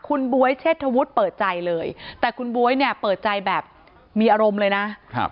คุณบ๊วยเชษฐวุฒิเปิดใจเลยแต่คุณบ๊วยเนี่ยเปิดใจแบบมีอารมณ์เลยนะครับ